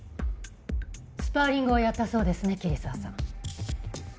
スパーリングをやったそうですね桐沢さん。